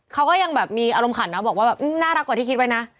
เขาก็ยังแบบมีอารมณ์ขันนะบอกว่าแบบน่ารักกว่าที่คิดไว้นะ